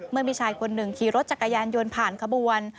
เมื่อมีชายคนหนึ่งขี่รถจักรยานยนต์ผ่านขบวน